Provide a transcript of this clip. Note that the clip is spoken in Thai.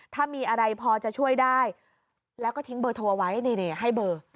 ถ้ามีอะไรพอจะช่วยได้แล้วก็ทิ้งเบอร์โทรไว้ให้เบอร์